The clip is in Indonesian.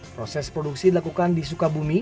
proses produksi dilakukan di sukabumi